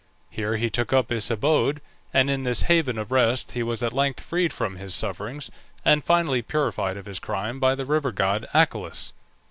Here he took up his abode; and in this haven of rest he was at length freed from his sufferings, and finally purified of his crime by the river god Achelous.